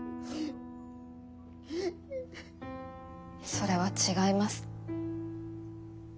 それは違います。